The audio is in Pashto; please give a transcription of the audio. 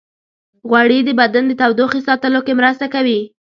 غوړې د بدن د تودوخې ساتلو کې مرسته کوي.